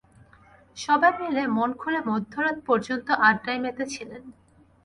সবাই মিলে মন খুলে মধ্যরাত পর্যন্ত আড্ডায় মেতে ছিলেন।